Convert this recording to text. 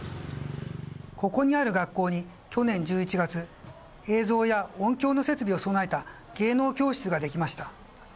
ここにある学校に去年１１月映像や音響の設備を備えた芸能教室ができました。